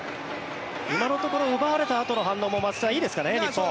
今のところ奪われたあとの反応も松木さん、いいですかね、日本。